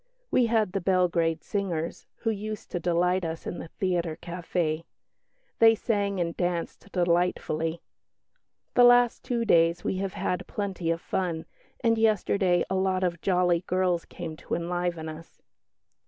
We had the Belgrade singers, who used to delight us in the theatre café. They sang and danced delightfully. The last two days we have had plenty of fun, and yesterday a lot of jolly girls came to enliven us."